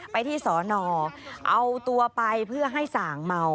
ไปที่สอนอเอาตัวไปเพื่อให้ส่างเมา